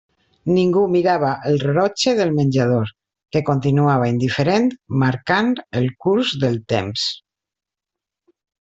Ningú mirava el rellotge del menjador, que continuava indiferent marcant el curs del temps.